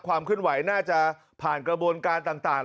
ความเคลื่อนไหวน่าจะผ่านกระบวนการต่าง